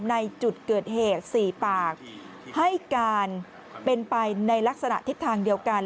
ในจุดเกิดเหตุ๔ปากให้การเป็นไปในลักษณะทิศทางเดียวกัน